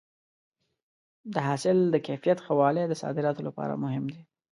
د حاصل د کیفیت ښه والی د صادراتو لپاره مهم دی.